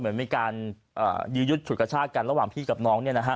เหมือนมีการยื้อยุดฉุดกระชากันระหว่างพี่กับน้อง